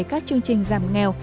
các chương trình giảm nghèo